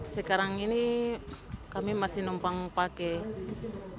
sekarang ini kami masih numpang pakai